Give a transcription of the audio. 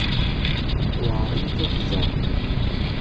Tewɛeṛ-iyi tuffẓa.